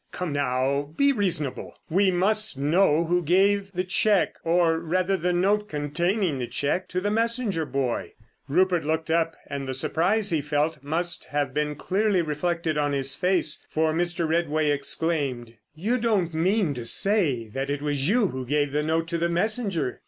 Come, now, be reasonable. We must know who gave the cheque, or rather the note containing the cheque, to the messenger boy." Rupert looked up, and the surprise he felt must have been clearly reflected on his face, for Mr. Redway exclaimed: "You don't mean to say that it was you who gave the note to the messenger?"